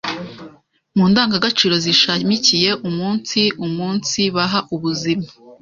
Mu ndangagaciro zishamikiye umunsi umunsibaha ubuzima